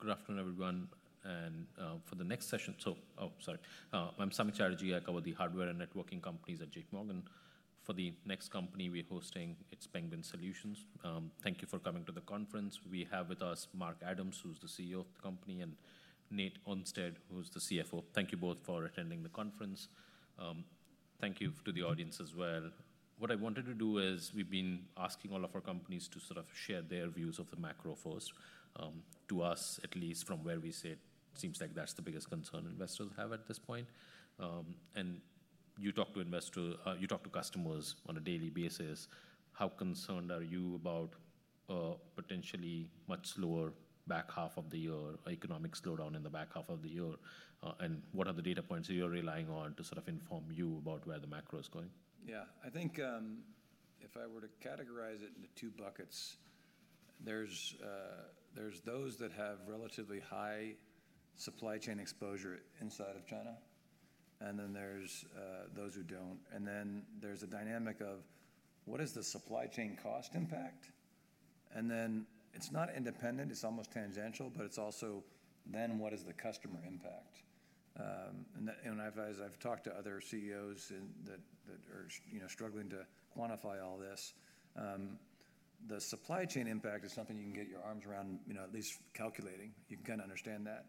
Good afternoon, everyone. For the next session—oh, sorry—uh, I'm Sam Chatterjee. I cover the hardware and networking companies at J.P. Morgan. For the next company we're hosting, it's Penguin Solutions. Thank you for coming to the conference. We have with us Mark Adams, who's the CEO of the company, and Nate Olmstead, who's the CFO. Thank you both for attending the conference. Thank you to the audience as well. What I wanted to do is we've been asking all of our companies to sort of share their views of the macro first, to us at least, from where we sit. Seems like that's the biggest concern investors have at this point. You talk to investors—uh, you talk to customers on a daily basis. How concerned are you about, potentially much slower back half of the year, economic slowdown in the back half of the year? What are the data points that you're relying on to sort of inform you about where the macro is going? Yeah. I think, if I were to categorize it into two buckets, there's those that have relatively high supply chain exposure inside of China, and then there's those who don't. And then there's a dynamic of what is the supply chain cost impact? And then it's not independent. It's almost tangential, but it's also then what is the customer impact? And that—and I've, as I've talked to other CEOs in that, that are, you know, struggling to quantify all this, the supply chain impact is something you can get your arms around, you know, at least calculating. You can kind of understand that.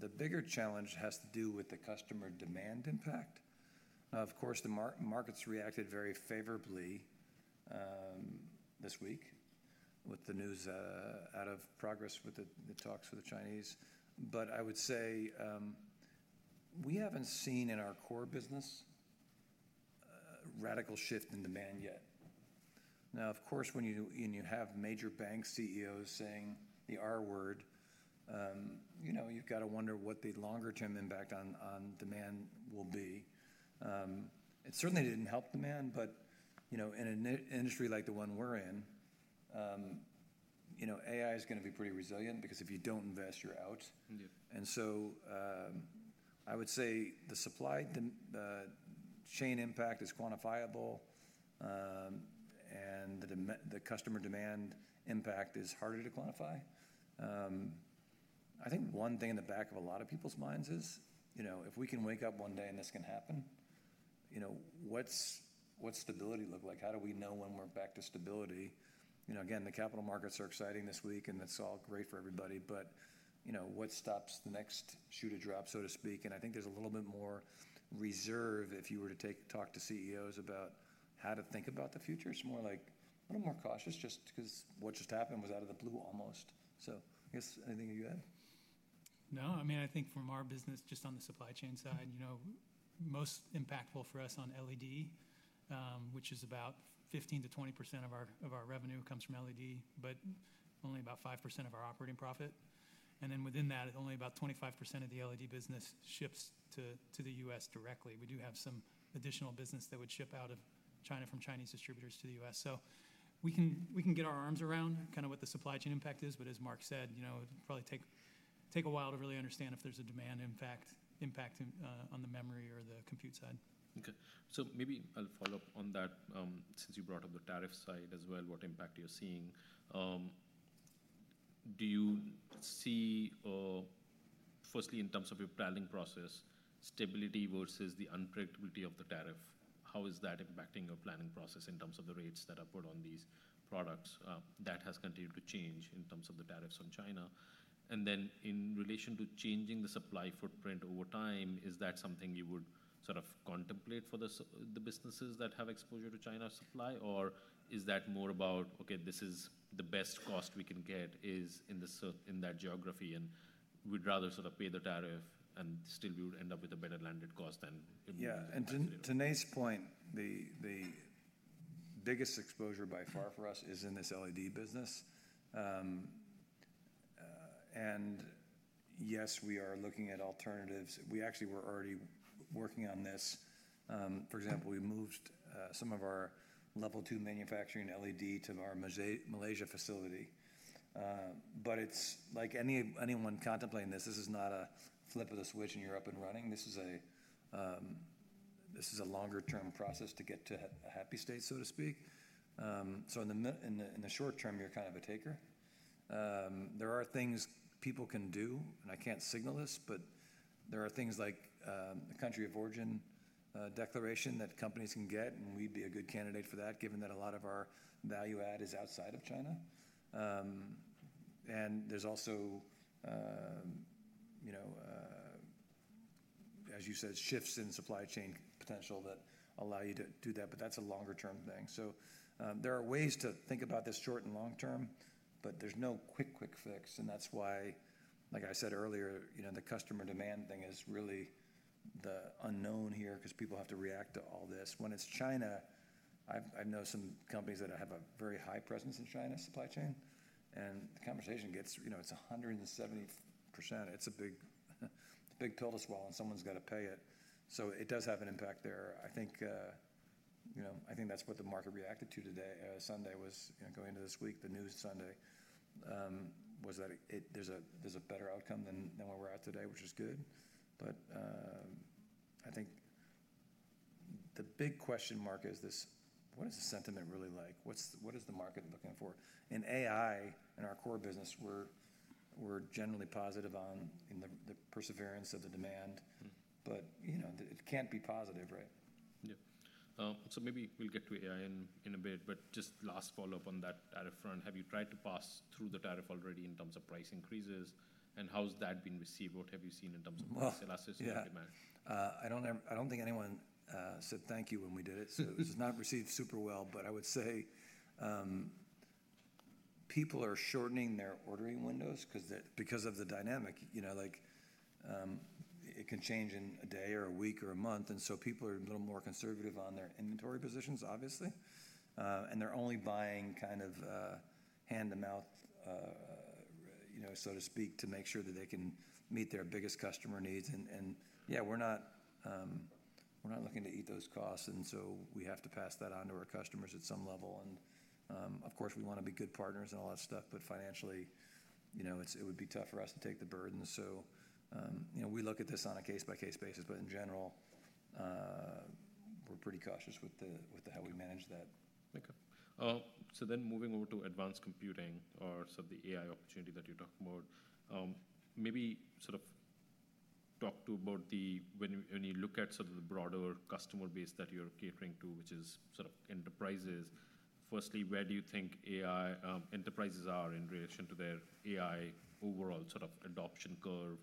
The bigger challenge has to do with the customer demand impact. Of course, the markets reacted very favorably this week with the news, out of progress with the talks with the Chinese. I would say, we haven't seen in our core business a radical shift in demand yet. Now, of course, when you have major bank CEOs saying the R-word, you know, you've got to wonder what the longer-term impact on demand will be. It certainly didn't help demand, but, you know, in an industry like the one we're in, you know, AI is gonna be pretty resilient because if you don't invest, you're out. Yeah. I would say the supply chain impact is quantifiable, and the customer demand impact is harder to quantify. I think one thing in the back of a lot of people's minds is, you know, if we can wake up one day and this can happen, you know, what's stability look like? How do we know when we're back to stability? You know, again, the capital markets are exciting this week, and that's all great for everybody, but, you know, what stops the next shoe to drop, so to speak? I think there's a little bit more reserve if you were to talk to CEOs about how to think about the future. It's more like a little more cautious just 'cause what just happened was out of the blue almost. I guess anything you add? No. I mean, I think from our business, just on the supply chain side, you know, most impactful for us on LED, which is about 15%-20% of our—of our revenue comes from LED, but only about 5% of our operating profit. And then within that, only about 25% of the LED business ships to, to the U.S. directly. We do have some additional business that would ship out of China from Chinese distributors to the U.S.. We can get our arms around kind of what the supply chain impact is. As Mark said, you know, it'll probably take a while to really understand if there's a demand impact in, on the memory or the compute side. Okay. Maybe I'll follow up on that, since you brought up the tariff side as well, what impact you're seeing. Do you see, firstly, in terms of your planning process, stability versus the unpredictability of the tariff? How is that impacting your planning process in terms of the rates that are put on these products? That has continued to change in terms of the tariffs on China. In relation to changing the supply footprint over time, is that something you would sort of contemplate for the businesses that have exposure to China supply, or is that more about, okay, this is the best cost we can get in that geography, and we'd rather sort of pay the tariff, and still we would end up with a better landed cost than it would be? Yeah. To Nate's point, the biggest exposure by far for us is in this LED business. Yes, we are looking at alternatives. We actually were already working on this. For example, we moved some of our level two manufacturing LED to our Mosaic Malaysia facility. It's like anyone contemplating this, this is not a flip of the switch and you're up and running. This is a longer-term process to get to a happy state, so to speak. In the short term, you're kind of a taker. There are things people can do, and I can't signal this, but there are things like the country of origin declaration that companies can get, and we'd be a good candidate for that given that a lot of our value add is outside of China. and there's also, you know, as you said, shifts in supply chain potential that allow you to do that, but that's a longer-term thing. There are ways to think about this short and long term, but there's no quick, quick fix. That's why, like I said earlier, you know, the customer demand thing is really the unknown here 'cause people have to react to all this. When it's China, I've, I know some companies that have a very high presence in China supply chain, and the conversation gets, you know, it's 170%. It's a big, it's a big pill to swallow, and someone's gotta pay it. It does have an impact there. I think, you know, I think that's what the market reacted to today. Sunday was, you know, going into this week, the news Sunday was that it—there's a—there's a better outcome than, than where we're at today, which is good. I think the big question mark is this: what is the sentiment really like? What's—what is the market looking for? In AI, in our core business, we're, we're generally positive on, you know, the perseverance of the demand. But, you know, it can't be positive, right? Yeah. So maybe we'll get to AI in a bit, but just last follow-up on that tariff front. Have you tried to pass through the tariff already in terms of price increases, and how's that been received? What have you seen in terms of. Well. Sales assistance demand. Yeah. I do not ever—I do not think anyone said thank you when we did it, so it was not received super well. I would say, people are shortening their ordering windows because of the dynamic, you know, like, it can change in a day or a week or a month. People are a little more conservative on their inventory positions, obviously, and they are only buying kind of hand-to-mouth, you know, so to speak, to make sure that they can meet their biggest customer needs. Yeah, we are not looking to eat those costs, and we have to pass that on to our customers at some level. Of course, we want to be good partners and all that stuff, but financially, you know, it would be tough for us to take the burden. You know, we look at this on a case-by-case basis, but in general, we're pretty cautious with how we manage that. Okay. So then moving over to Advanced Computing or sort of the AI opportunity that you talked about, maybe sort of talk to about the—when you look at sort of the broader customer base that you're catering to, which is sort of enterprises, firstly, where do you think AI, enterprises are in relation to their AI overall sort of adoption curve?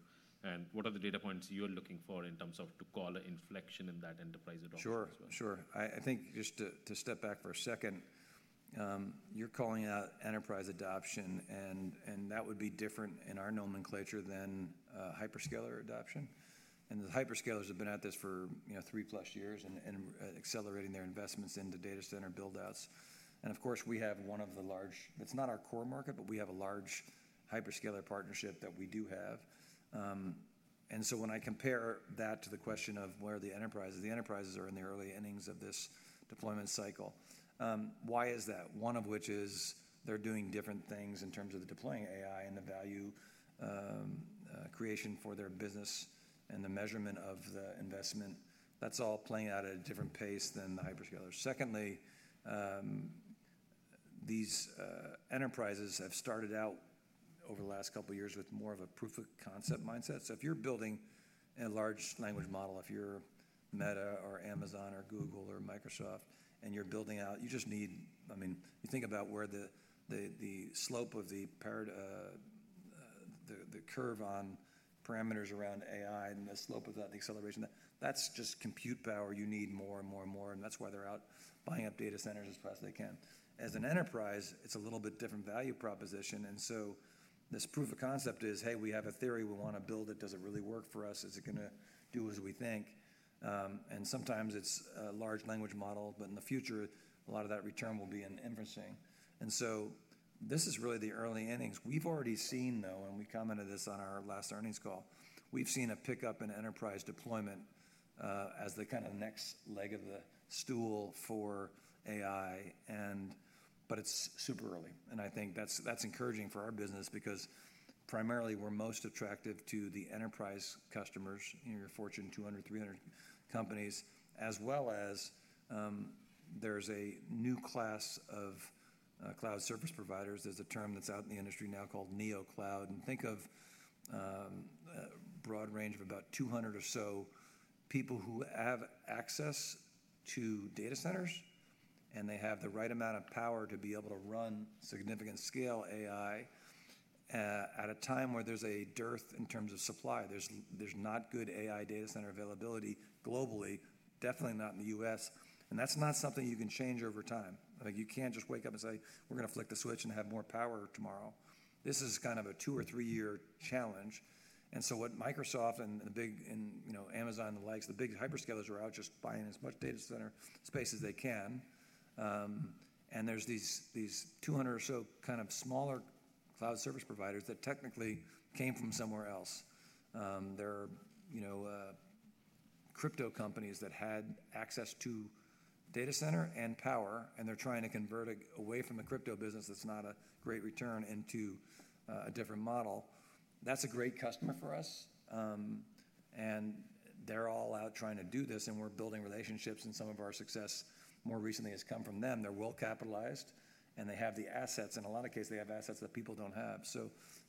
What are the data points you're looking for in terms of to call an inflection in that enterprise adoption? Sure. I think just to step back for a second, you're calling out enterprise adoption, and that would be different in our nomenclature than hyperscaler adoption. The hyperscalers have been at this for, you know, three-plus years and accelerating their investments into data center buildouts. Of course, we have one of the large—it's not our core market, but we have a large hyperscaler partnership that we do have. When I compare that to the question of where the enterprises—the enterprises are in the early innings of this deployment cycle. Why is that? One of which is they're doing different things in terms of deploying AI and the value creation for their business and the measurement of the investment. That's all playing out at a different pace than the hyperscalers. Secondly, these enterprises have started out over the last couple of years with more of a proof of concept mindset. If you're building a large language model, if you're Meta or Amazon or Google or Microsoft, and you're building out, you just need—I mean, you think about where the slope of the curve on parameters around AI and the slope of that, the acceleration, that that's just compute power. You need more and more and more, and that's why they're out buying up data centers as fast as they can. As an enterprise, it's a little bit different value proposition. This proof of concept is, hey, we have a theory. We wanna build it. Does it really work for us? Is it gonna do as we think? Sometimes it's a large language model, but in the future, a lot of that return will be in inferencing. This is really the early innings. We've already seen, though, and we commented on this on our last earnings call, we've seen a pickup in enterprise deployment as the kind of next leg of the stool for AI. It's super early. I think that's encouraging for our business because primarily we're most attractive to the enterprise customers, you know, your Fortune 200, 300 companies, as well as there's a new class of cloud service providers. There's a term that's out in the industry now called neocloud. Think of a broad range of about 200 or so people who have access to data centers, and they have the right amount of power to be able to run significant scale AI at a time where there's a dearth in terms of supply. There's not good AI data center availability globally, definitely not in the U.S.. That's not something you can change over time. You can't just wake up and say, "We're gonna flick the switch and have more power tomorrow." This is kind of a two or three-year challenge. What Microsoft and Amazon and the likes, the big hyperscalers, are out just buying as much data center space as they can. There are these 200 or so kind of smaller cloud service providers that technically came from somewhere else. There are, you know, crypto companies that had access to data center and power, and they're trying to convert away from the crypto business that's not a great return into a different model. That's a great customer for us. They're all out trying to do this, and we're building relationships, and some of our success more recently has come from them. They're well capitalized, and they have the assets. In a lot of cases, they have assets that people don't have.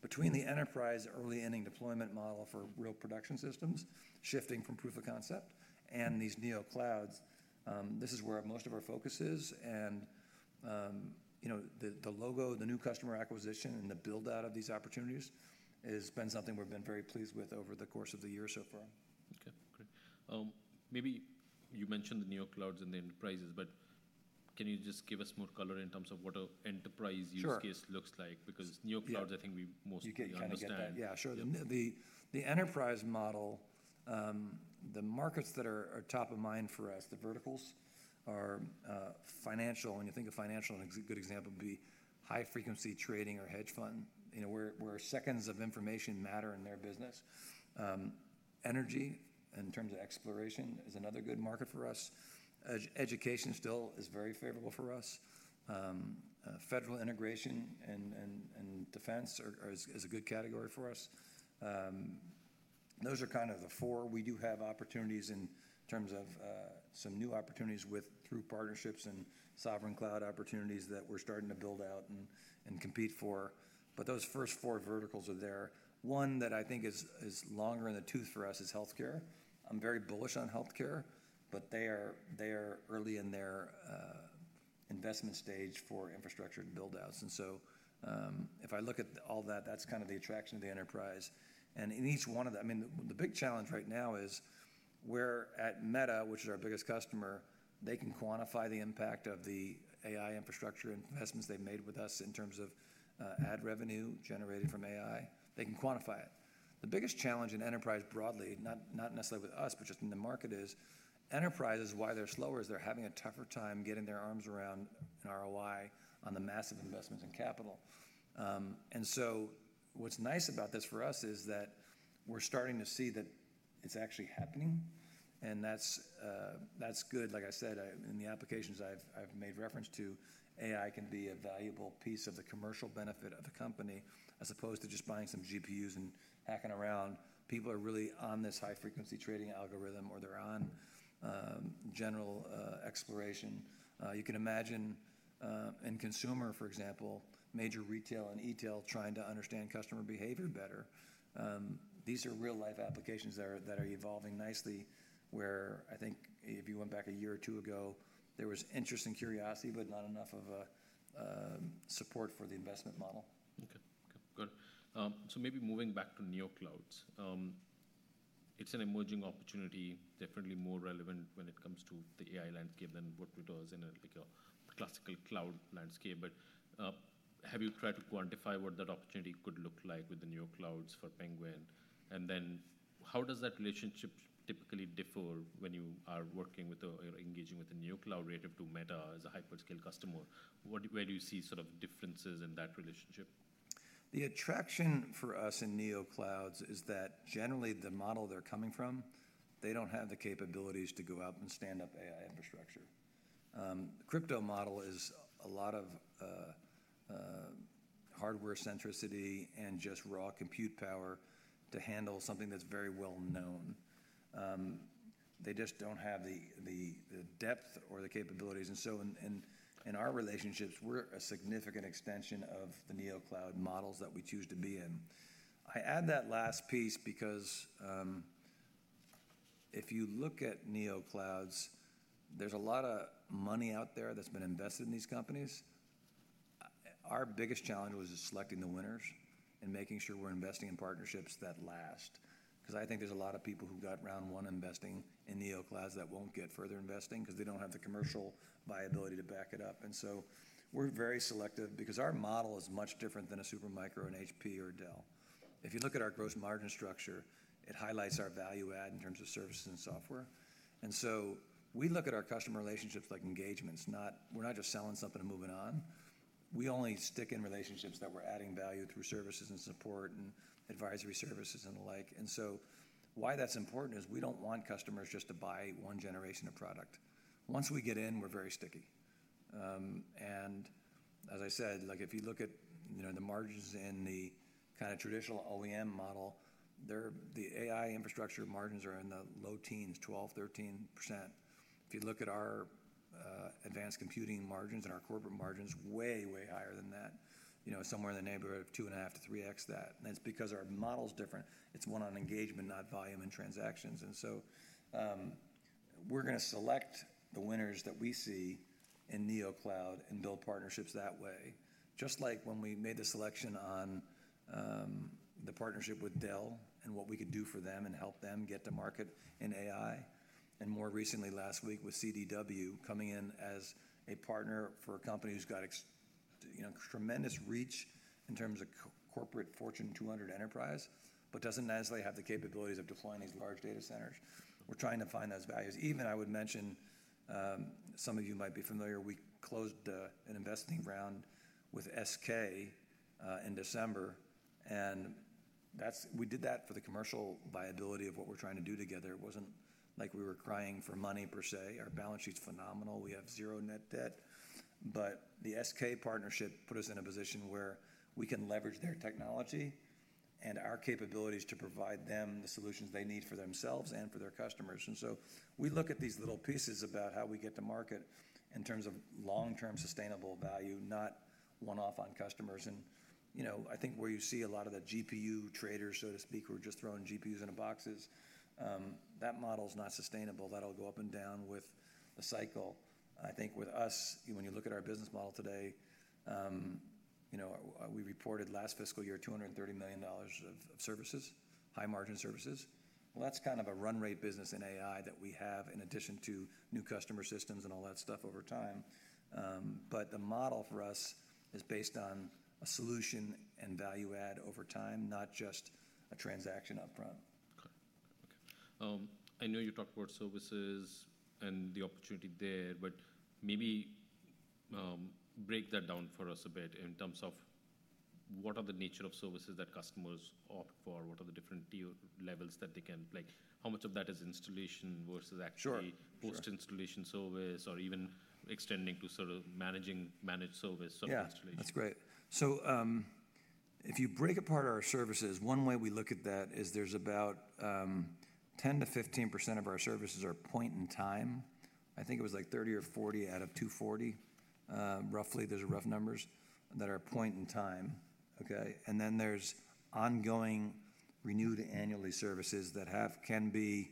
Between the enterprise early inning deployment model for real production systems shifting from proof of concept and these neoclouds, this is where most of our focus is. You know, the logo, the new customer acquisition, and the buildout of these opportunities has been something we've been very pleased with over the course of the year so far. Okay. Great. Maybe you mentioned the neoclouds and the enterprises, but can you just give us more color in terms of what an enterprise use case looks like? Because neoclouds, I think we mostly understand. You can, you can understand. Yeah. Sure. The enterprise model, the markets that are top of mind for us, the verticals are financial. When you think of financial, a good example would be high-frequency trading or hedge fund, you know, where seconds of information matter in their business. Energy in terms of exploration is another good market for us. Education still is very favorable for us. Federal integration and defense are, is a good category for us. Those are kind of the four. We do have opportunities in terms of some new opportunities with, through partnerships and sovereign cloud opportunities that we're starting to build out and compete for. Those first four verticals are there. One that I think is longer in the tooth for us is healthcare. I'm very bullish on healthcare, but they are early in their investment stage for infrastructure buildouts. If I look at all that, that's kind of the attraction of the enterprise. In each one of the, I mean, the big challenge right now is we're at Meta, which is our biggest customer. They can quantify the impact of the AI infrastructure investments they've made with us in terms of ad revenue generated from AI. They can quantify it. The biggest challenge in enterprise broadly, not necessarily with us, but just in the market, is enterprise is why they're slower is they're having a tougher time getting their arms around an ROI on the massive investments in capital. What's nice about this for us is that we're starting to see that it's actually happening, and that's good. Like I said, in the applications I've made reference to, AI can be a valuable piece of the commercial benefit of a company as opposed to just buying some GPUs and hacking around. People are really on this high-frequency trading algorithm, or they're on general exploration. You can imagine, in consumer, for example, major retail and ETEL trying to understand customer behavior better. These are real-life applications that are evolving nicely where I think if you went back a year or two ago, there was interest and curiosity, but not enough of a support for the investment model. Okay. Okay. Good. So maybe moving back to neoclouds. It's an emerging opportunity, definitely more relevant when it comes to the AI landscape than what it was in a, like a classical cloud landscape. But, have you tried to quantify what that opportunity could look like with the neoclouds for Penguin? And then how does that relationship typically differ when you are working with or engaging with the neocloud relative to Meta as a hyperscale customer? What, where do you see sort of differences in that relationship? The attraction for us in neoclouds is that generally the model they're coming from, they don't have the capabilities to go out and stand up AI infrastructure. The crypto model is a lot of hardware centricity and just raw compute power to handle something that's very well known. They just don't have the depth or the capabilities. In our relationships, we're a significant extension of the neocloud models that we choose to be in. I add that last piece because, if you look at neoclouds, there's a lot of money out there that's been invested in these companies. Our biggest challenge was selecting the winners and making sure we're investing in partnerships that last. 'Cause I think there's a lot of people who got round one investing in neoclouds that won't get further investing 'cause they don't have the commercial viability to back it up. We are very selective because our model is much different than a Supermicro and HP or Dell. If you look at our gross margin structure, it highlights our value add in terms of services and software. We look at our customer relationships like engagements, not we're not just selling something and moving on. We only stick in relationships that we're adding value through services and support and advisory services and the like. Why that's important is we don't want customers just to buy one generation of product. Once we get in, we're very sticky. and as I said, like if you look at, you know, the margins in the kind of traditional OEM model, they're the AI infrastructure margins are in the low teens, 12-13%. If you look at our advanced computing margins and our corporate margins, way, way higher than that, you know, somewhere in the neighborhood of two and a half to three X that. It's because our model's different. It's one on engagement, not volume and transactions. We're gonna select the winners that we see in neocloud and build partnerships that way. Just like when we made the selection on the partnership with Dell and what we could do for them and help them get to market in AI. More recently, last week with CDW coming in as a partner for a company who's got, you know, tremendous reach in terms of corporate Fortune 200 enterprise, but doesn't necessarily have the capabilities of deploying these large data centers. We're trying to find those values. Even I would mention, some of you might be familiar, we closed an investing round with SK in December, and that's we did that for the commercial viability of what we're trying to do together. It wasn't like we were crying for money per se. Our balance sheet's phenomenal. We have zero net debt. The SK partnership put us in a position where we can leverage their technology and our capabilities to provide them the solutions they need for themselves and for their customers. We look at these little pieces about how we get to market in terms of long-term sustainable value, not one-off on customers. You know, I think where you see a lot of the GPU traders, so to speak, who are just throwing GPUs into boxes, that model's not sustainable. That'll go up and down with the cycle. I think with us, when you look at our business model today, you know, we reported last fiscal year $230 million of services, high-margin services. That's kind of a run rate business in AI that we have in addition to new customer systems and all that stuff over time. The model for us is based on a solution and value add over time, not just a transaction upfront. Okay. Okay. I know you talked about services and the opportunity there, but maybe break that down for us a bit in terms of what are the nature of services that customers opt for? What are the different tier levels that they can like? How much of that is installation versus actually post-installation service or even extending to sort of managing, managed service sort of installation? Yeah. That's great. If you break apart our services, one way we look at that is there's about 10-15% of our services that are point in time. I think it was like 30 or 40 out of 240, roughly. Those are rough numbers that are point in time. Okay. Then there are ongoing, renewed annually services that can be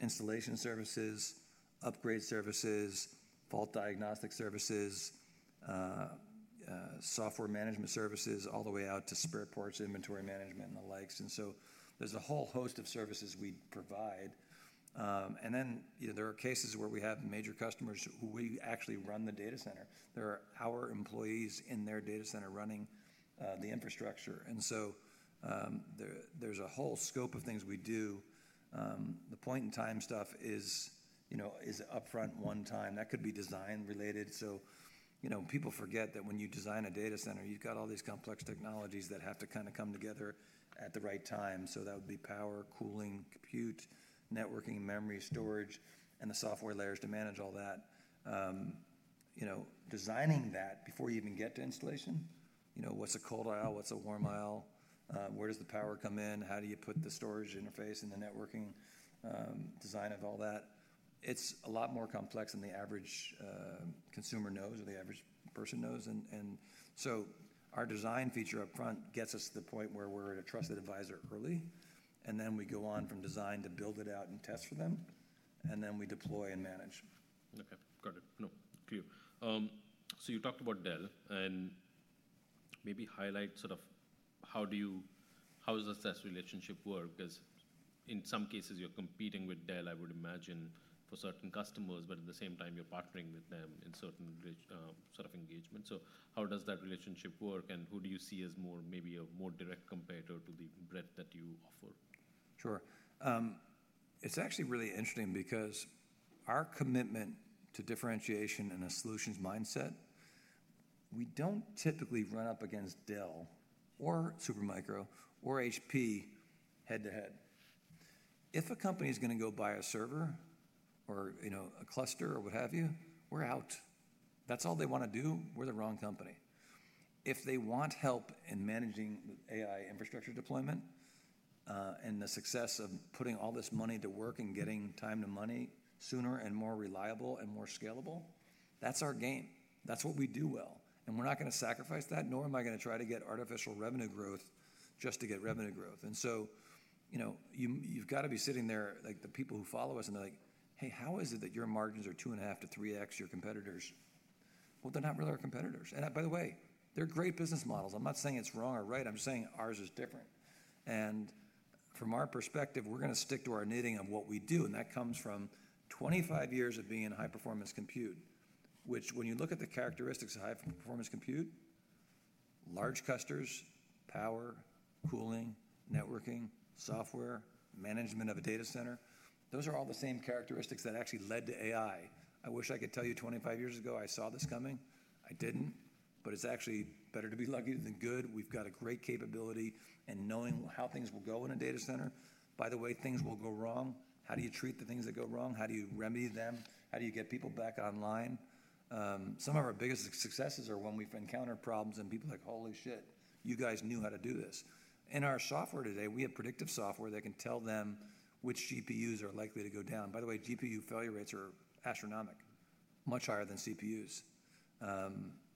installation services, upgrade services, fault diagnostic services, software management services, all the way out to spare parts, inventory management, and the likes. There's a whole host of services we provide. You know, there are cases where we have major customers who we actually run the data center. There are our employees in their data center running the infrastructure. There's a whole scope of things we do. The point in time stuff is, you know, is upfront, one time. That could be design related. You know, people forget that when you design a data center, you've got all these complex technologies that have to kind of come together at the right time. That would be power, cooling, compute, networking, memory, storage, and the software layers to manage all that. You know, designing that before you even get to installation, you know, what's a cold aisle, what's a warm aisle, where does the power come in, how do you put the storage interface and the networking, design of all that? It's a lot more complex than the average consumer knows or the average person knows. Our design feature upfront gets us to the point where we're at a trusted advisor early, and then we go on from design to build it out and test for them, and then we deploy and manage. Okay. Got it. No, clear. So you talked about Dell, and maybe highlight sort of how do you, how does that relationship work? 'Cause in some cases you're competing with Dell, I would imagine, for certain customers, but at the same time you're partnering with them in certain, sort of engagement. So how does that relationship work, and who do you see as more maybe a more direct competitor to the breadth that you offer? Sure. It's actually really interesting because our commitment to differentiation and a solutions mindset, we don't typically run up against Dell or Supermicro or HP head to head. If a company's gonna go buy a server or, you know, a cluster or what have you, we're out. That's all they wanna do. We're the wrong company. If they want help in managing the AI infrastructure deployment, and the success of putting all this money to work and getting time to money sooner and more reliable and more scalable, that's our game. That's what we do well. And we're not gonna sacrifice that, nor am I gonna try to get artificial revenue growth just to get revenue growth. You know, you've gotta be sitting there like the people who follow us and they're like, "Hey, how is it that your margins are two and a half to three X your competitors?" They're not really our competitors. By the way, they're great business models. I'm not saying it's wrong or right. I'm just saying ours is different. From our perspective, we're gonna stick to our knitting of what we do. That comes from 25 years of being in high-performance compute, which, when you look at the characteristics of high-performance compute, large clusters, power, cooling, networking, software, management of a data center, those are all the same characteristics that actually led to AI. I wish I could tell you 25 years ago I saw this coming. I didn't, but it's actually better to be lucky than good. We've got a great capability in knowing how things will go in a data center. By the way, things will go wrong. How do you treat the things that go wrong? How do you remedy them? How do you get people back online? Some of our biggest successes are when we've encountered problems and people are like, "Holy shit, you guys knew how to do this." In our software today, we have predictive software that can tell them which GPUs are likely to go down. By the way, GPU failure rates are astronomic, much higher than CPUs.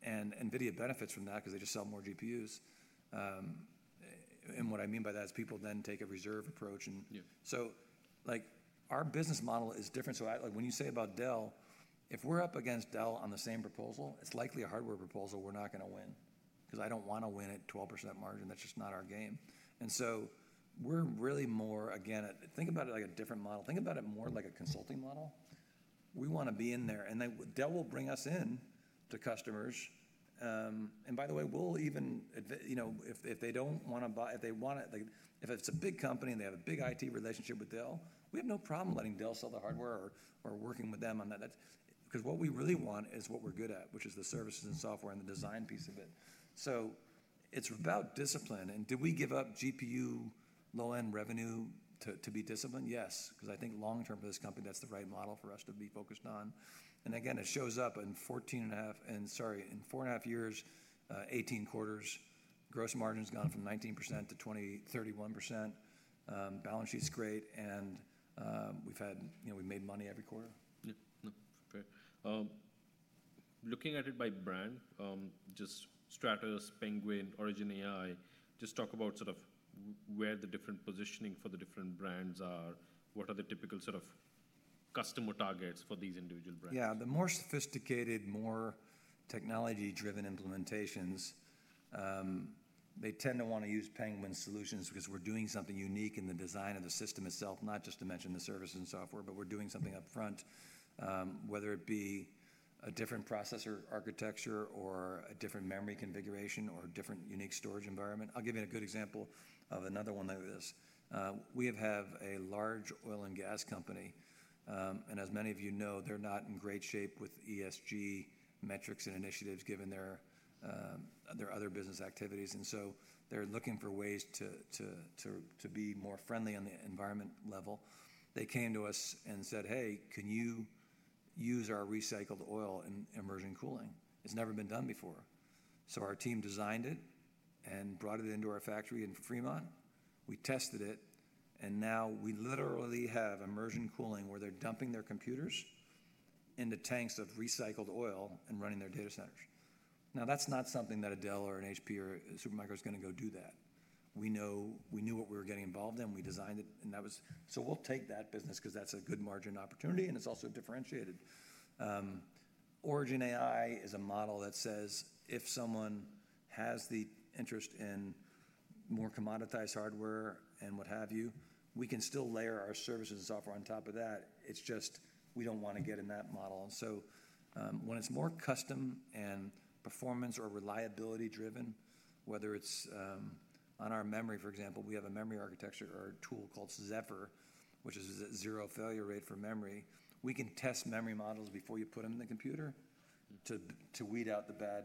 And NVIDIA benefits from that 'cause they just sell more GPUs. And what I mean by that is people then take a reserve approach. And so like our business model is different. So I, like when you say about Dell, if we're up against Dell on the same proposal, it's likely a hardware proposal we're not gonna win 'cause I don't wanna win at 12% margin. That's just not our game. We're really more again, think about it like a different model. Think about it more like a consulting model. We wanna be in there, and then Dell will bring us in to customers. By the way, we'll even add, you know, if they don't wanna buy, if they wanna, like, if it's a big company and they have a big IT relationship with Dell, we have no problem letting Dell sell the hardware or working with them on that. That's 'cause what we really want is what we're good at, which is the services and software and the design piece of it. It's about discipline. Did we give up GPU low-end revenue to, to be disciplined? Yes. 'Cause I think long-term for this company, that's the right model for us to be focused on. Again, it shows up in four and a half years, eighteen quarters, gross margin's gone from 19% to 20%, 31%. Balance sheet's great. We've had, you know, we've made money every quarter. Yeah. No, fair. Looking at it by brand, just Stratus, Penguin, Origin AI, just talk about sort of where the different positioning for the different brands are. What are the typical sort of customer targets for these individual brands? Yeah. The more sophisticated, more technology-driven implementations, they tend to wanna use Penguin Solutions 'cause we're doing something unique in the design of the system itself, not just to mention the services and software, but we're doing something upfront, whether it be a different processor architecture or a different memory configuration or different unique storage environment. I'll give you a good example of another one like this. We have a large oil and gas company, and as many of you know, they're not in great shape with ESG metrics and initiatives given their other business activities. They are looking for ways to be more friendly on the environment level. They came to us and said, "Hey, can you use our recycled oil in immersion cooling?" It's never been done before. Our team designed it and brought it into our factory in Fremont. We tested it, and now we literally have immersion cooling where they're dumping their computers into tanks of recycled oil and running their data centers. Now, that's not something that a Dell or an HP or a Supermicro's gonna go do. We know, we knew what we were getting involved in. We designed it, and that was, so we'll take that business 'cause that's a good margin opportunity, and it's also differentiated. Origin AI is a model that says if someone has the interest in more commoditized hardware and what have you, we can still layer our services and software on top of that. It's just we don't wanna get in that model. When it's more custom and performance or reliability driven, whether it's, on our memory, for example, we have a memory architecture or a tool called Zephyr, which is a zero failure rate for memory. We can test memory models before you put 'em in the computer to weed out the bad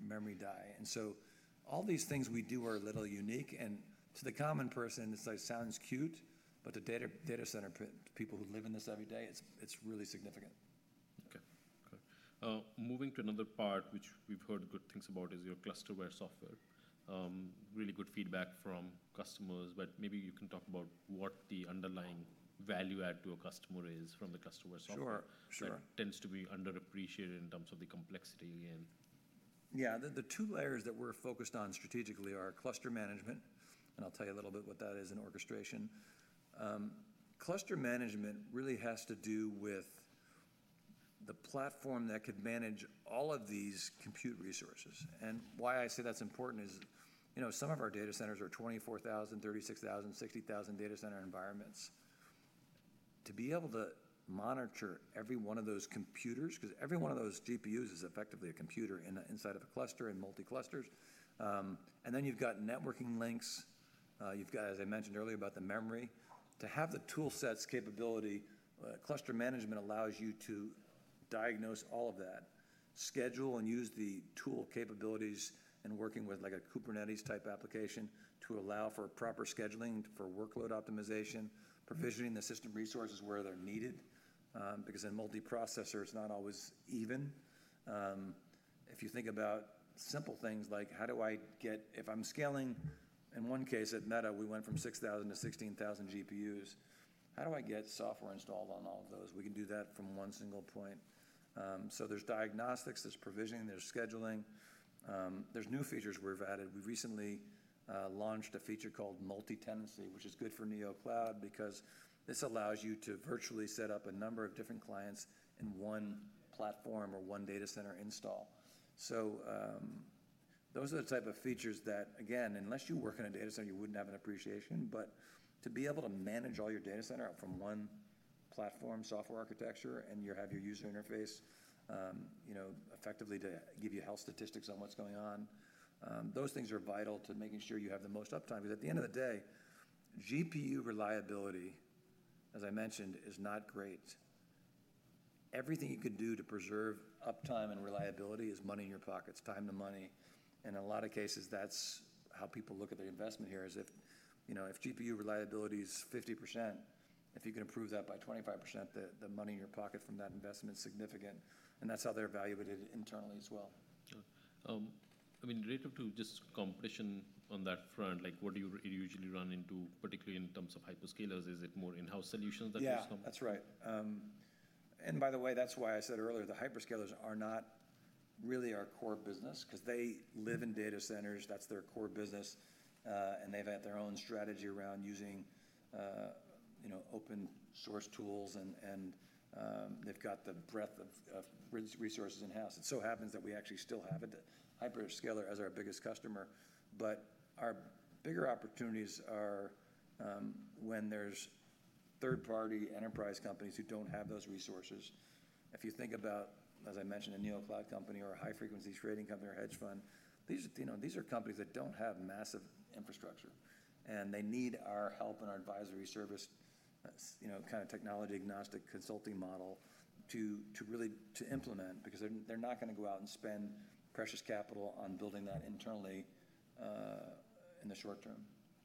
memory die. All these things we do are a little unique. To the common person, it sounds cute, but the data center people who live in this every day, it's really significant. Okay. Good. Moving to another part, which we've heard good things about, is your ClusterWare software. Really good feedback from customers, but maybe you can talk about what the underlying value add to a customer is from the ClusterWare software. Sure. Sure. Which tends to be underappreciated in terms of the complexity, again. Yeah. The two layers that we're focused on strategically are cluster management, and I'll tell you a little bit what that is, and orchestration. Cluster management really has to do with the platform that could manage all of these compute resources. And why I say that's important is, you know, some of our data centers are 24,000, 36,000, 60,000 data center environments. To be able to monitor every one of those computers, 'cause every one of those GPUs is effectively a computer in the inside of a cluster and multi-clusters. And then you've got networking links. You've got, as I mentioned earlier about the memory, to have the tool sets capability, cluster management allows you to diagnose all of that, schedule and use the tool capabilities and working with like a Kubernetes type application to allow for proper scheduling for workload optimization, provisioning the system resources where they're needed. Because in multi-processor, it's not always even. If you think about simple things like how do I get, if I'm scaling in one case at Meta, we went from 6,000 to 16,000 GPUs, how do I get software installed on all of those? We can do that from one single point. There is diagnostics, there is provisioning, there is scheduling. There are new features we've added. We recently launched a feature called multi-tenancy, which is good for neocloud because this allows you to virtually set up a number of different clients in one platform or one data center install. Those are the type of features that, again, unless you work in a data center, you wouldn't have an appreciation. To be able to manage all your data center from one platform software architecture and you have your user interface, you know, effectively to give you health statistics on what's going on, those things are vital to making sure you have the most uptime. 'Cause at the end of the day, GPU reliability, as I mentioned, is not great. Everything you could do to preserve uptime and reliability is money in your pockets, time to money. In a lot of cases, that's how people look at their investment here is if, you know, if GPU reliability is 50%, if you can improve that by 25%, the money in your pocket from that investment is significant. That's how they're evaluated internally as well. Sure. I mean, relative to just competition on that front, like what do you usually run into, particularly in terms of hyperscalers? Is it more in-house solutions that comes from? Yeah, that's right. By the way, that's why I said earlier the hyperscalers are not really our core business because they live in data centers. That's their core business. They have had their own strategy around using, you know, open source tools, and they have got the breadth of resources in-house. It so happens that we actually still have a hyperscaler as our biggest customer. Our bigger opportunities are when there are third-party enterprise companies who do not have those resources. If you think about, as I mentioned, a neocloud company or a high-frequency trading company or hedge fund, these are, you know, these are companies that don't have massive infrastructure and they need our help and our advisory service, you know, kind of technology-agnostic consulting model to really implement because they're not gonna go out and spend precious capital on building that internally, in the short term.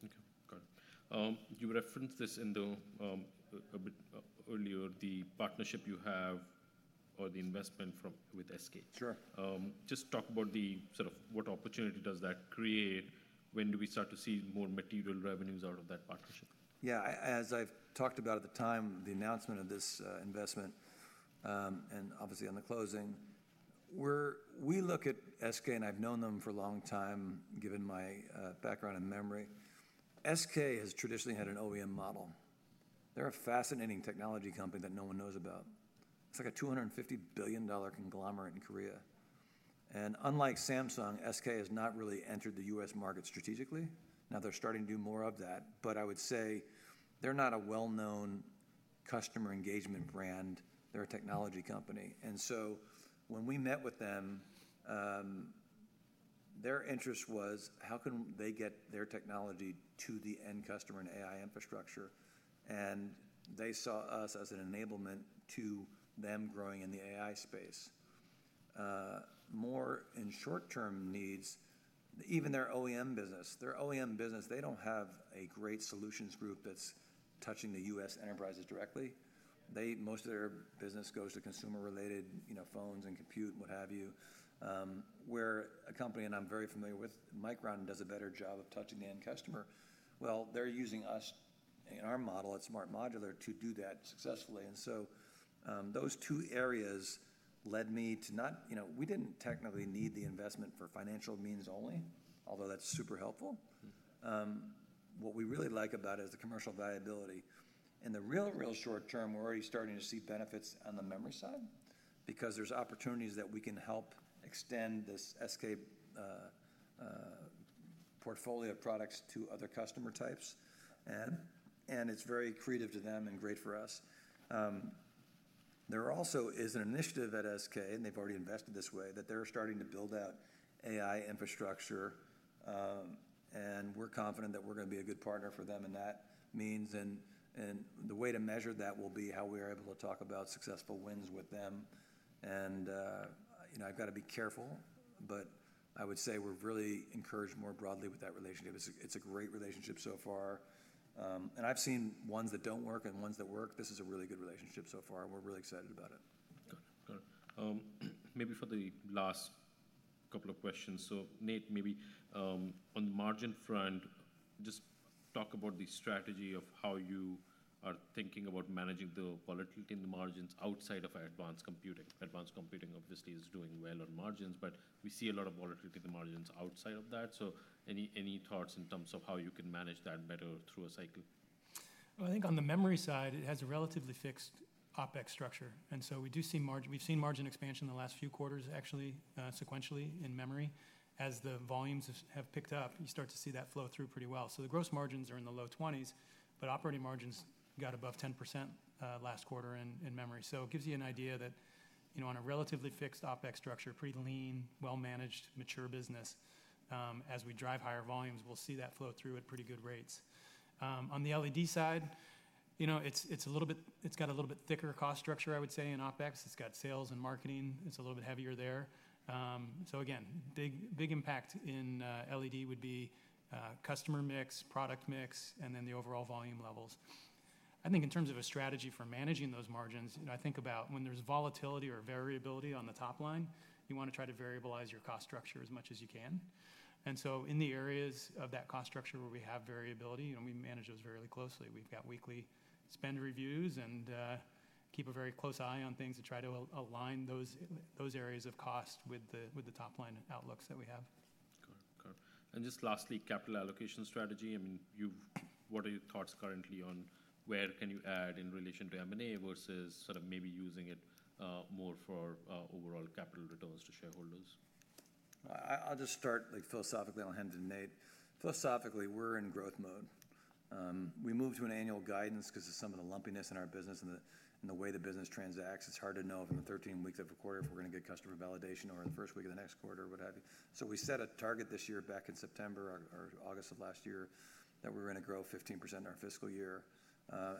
Okay. Good. You referenced this a bit earlier, the partnership you have or the investment from SK. Sure. Just talk about the sort of what opportunity does that create? When do we start to see more material revenues out of that partnership? Yeah. I, as I've talked about at the time, the announcement of this, investment, and obviously on the closing, we look at SK and I've known them for a long time given my background in memory. SK has traditionally had an OEM model. They're a fascinating technology company that no one knows about. It's like a $250 billion conglomerate in Korea. Unlike Samsung, SK has not really entered the U.S. market strategically. Now they're starting to do more of that, but I would say they're not a well-known customer engagement brand. They're a technology company. When we met with them, their interest was how can they get their technology to the end customer and AI infrastructure? They saw us as an enablement to them growing in the AI space. more in short-term needs, even their OEM business, they don't have a great solutions group that's touching the U.S. enterprises directly. Most of their business goes to consumer-related, you know, phones and compute and what have you. Where a company, and I'm very familiar with, Micron does a better job of touching the end customer. They're using us in our model at Smart Modular to do that successfully. Those two areas led me to not, you know, we didn't technically need the investment for financial means only, although that's super helpful. What we really like about it is the commercial viability. In the real, real short term, we're already starting to see benefits on the memory side because there's opportunities that we can help extend this SK portfolio of products to other customer types. It is very creative to them and great for us. There also is an initiative at SK, and they've already invested this way that they're starting to build out AI infrastructure. We're confident that we're gonna be a good partner for them. That means, and the way to measure that will be how we are able to talk about successful wins with them. You know, I've gotta be careful, but I would say we're really encouraged more broadly with that relationship. It's a great relationship so far. I've seen ones that don't work and ones that work. This is a really good relationship so far, and we're really excited about it. Good. Good. Maybe for the last couple of questions. So Nate, maybe, on the margin front, just talk about the strategy of how you are thinking about managing the volatility in the margins outside of Advanced Computing. Advanced Computing obviously is doing well on margins, but we see a lot of volatility in the margins outside of that. Any thoughts in terms of how you can manage that better through a cycle? I think on the memory side, it has a relatively fixed OpEx structure. We do see margin, we've seen margin expansion in the last few quarters, actually, sequentially in memory. As the volumes have picked up, you start to see that flow through pretty well. The gross margins are in the low twenties, but operating margins got above 10% last quarter in memory. It gives you an idea that, you know, on a relatively fixed OpEx structure, pretty lean, well-managed, mature business, as we drive higher volumes, we'll see that flow through at pretty good rates. On the LED side, you know, it's a little bit, it's got a little bit thicker cost structure, I would say, in OpEx. It's got sales and marketing. It's a little bit heavier there. Again, big, big impact in LED would be customer mix, product mix, and then the overall volume levels. I think in terms of a strategy for managing those margins, you know, I think about when there's volatility or variability on the top line, you want to try to variabilize your cost structure as much as you can. In the areas of that cost structure where we have variability, you know, we manage those fairly closely. We've got weekly spend reviews and keep a very close eye on things to try to align those areas of cost with the top line outlooks that we have. Good. Good. And just lastly, capital allocation strategy. I mean, you've, what are your thoughts currently on where can you add in relation to M&A versus sort of maybe using it, more for, overall capital returns to shareholders? I'll just start like philosophically. I'll hand it to Nate. Philosophically, we're in growth mode. We moved to an annual guidance because of some of the lumpiness in our business and the way the business transacts. It's hard to know from the 13 weeks of a quarter if we're gonna get customer validation or the first week of the next quarter or what have you. We set a target this year back in September or August of last year that we were gonna grow 15% in our fiscal year.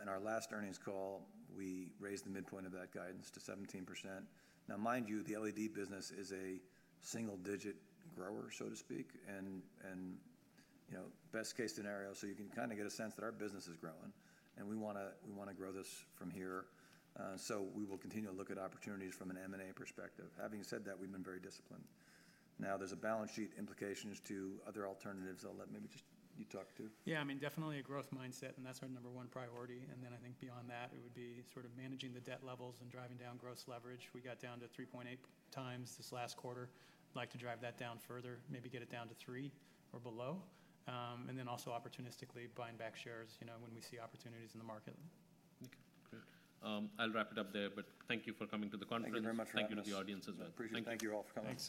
In our last earnings call, we raised the midpoint of that guidance to 17%. Now, mind you, the LED business is a single-digit grower, so to speak, and, you know, best case scenario. You can kind of get a sense that our business is growing and we wanna, we wanna grow this from here. We will continue to look at opportunities from an M&A perspective. Having said that, we've been very disciplined. Now, there are balance sheet implications to other alternatives. I'll let maybe just you talk too. Yeah. I mean, definitely a growth mindset, and that's our number one priority. I think beyond that, it would be sort of managing the debt levels and driving down gross leverage. We got down to 3.8 times this last quarter. We'd like to drive that down further, maybe get it down to three or below, and then also opportunistically buying back shares, you know, when we see opportunities in the market. Okay. Good. I'll wrap it up there, but thank you for coming to the conference. Thank you very much. Thank you to the audience as well. Appreciate it. Thank you all for coming.